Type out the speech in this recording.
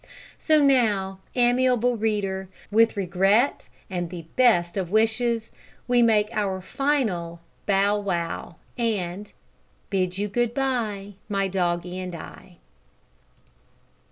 So now, amiable reader, with regret and the best of wishes, we make our final bow "wow" and: Bid you good bye, My doggie and I.